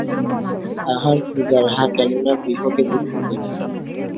তাঁরা পুজার্হা, কেননা গৃহকে দীপ্তি দেন।